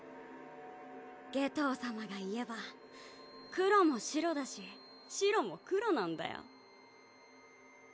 夏油様が言えば黒も白だし白も黒なんだよ。